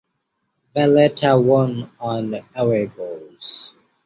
Valletta won on away goals.